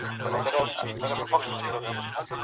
د فراغت سند په تصادفي ډول نه ټاکل کیږي.